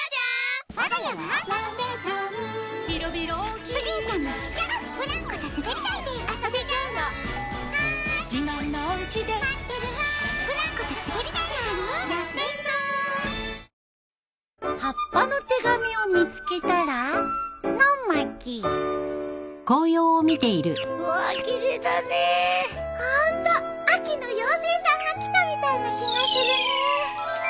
ホント秋の妖精さんが来たみたいな気がするね。